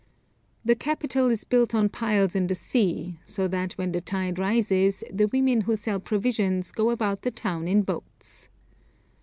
The capital is built on piles in the sea; so that when the tide rises, the women who sell provisions go about the town in boats.